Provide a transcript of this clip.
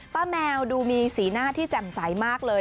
แมวดูมีสีหน้าที่แจ่มใสมากเลย